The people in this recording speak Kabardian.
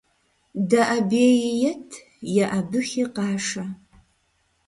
ДэӀэбеи ет, еӀэбыхи къашэ.